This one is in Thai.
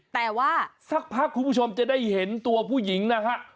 แต่ว่าสักพักคุณผู้ชมจะได้เห็นตัวผู้หญิงนะฮะ